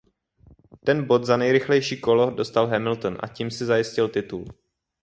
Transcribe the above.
Ten bod za nejrychlejší kolo dostal Hamilton a tím si zajistil titul.